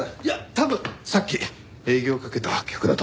多分さっき営業かけた客だと。